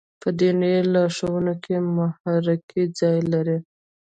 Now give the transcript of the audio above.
په دیني لارښوونو کې محراقي ځای لري.